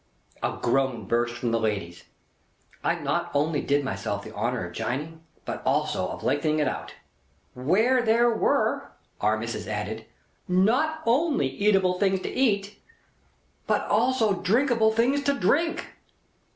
A groan burst from the ladies. I not only did myself the honour of jining, but also of lengthening it out. "Where there were," Our Missis added, "not only eatable things to eat, but also drinkable things to drink?"